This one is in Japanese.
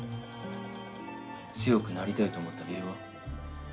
強くなりたいと思った理由は？